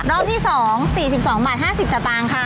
รอบที่๒๔๒บาท๕๐สตางค์ค่ะ